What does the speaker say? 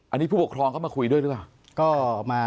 อันนี้ผู้ปกครองเข้ามาคุยด้วยหรือเปล่า